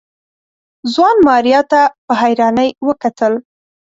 ځوان ماريا ته په حيرانۍ وکتل.